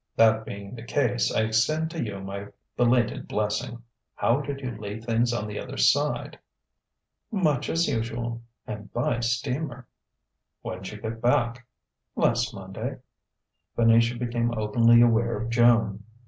"That being the case, I extend to you my belated blessing. How did you leave things on the other side?" "Much as usual and by steamer." "When'd you get back?" "Last Monday...." Venetia became openly aware of Joan.